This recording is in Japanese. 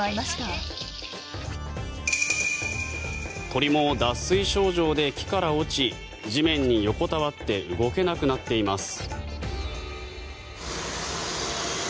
鳥も脱水症状で木から落ち地面に横たわって動けなくなっています。